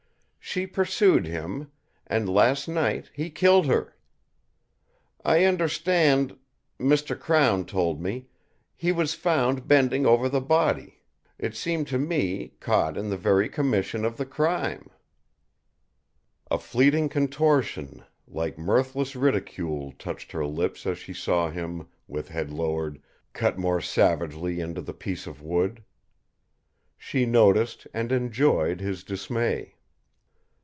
She pursued him; and last night he killed her. I understand Mr. Crown told me he was found bending over the body it seemed to me, caught in the very commission of the crime." A fleeting contortion, like mirthless ridicule, touched her lips as she saw him, with head lowered, cut more savagely into the piece of wood. She noticed, and enjoyed, his dismay.